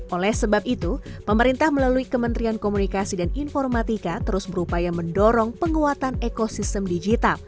oleh sebab itu pemerintah melalui kementerian komunikasi dan informatika terus berupaya mendorong penguatan ekosistem digital